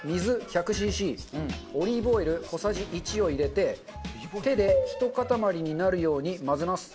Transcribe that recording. シーシーオリーブオイル小さじ１を入れて手でひと固まりになるように混ぜます。